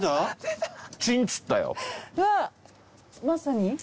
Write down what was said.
まさに？